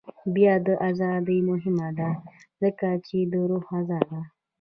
د بیان ازادي مهمه ده ځکه چې د روح غذا ده.